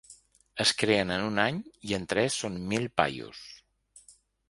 Es creen en un any, i en tres, són mil paios.